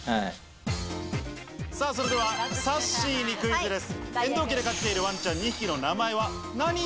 それでは、さっしーにクイズです。